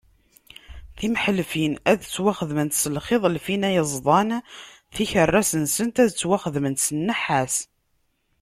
Timleḥfin ad ttwaxedment s lxiḍ n lfina yeẓdan, tikerras-nsent ad ttwaxedment s nnḥas.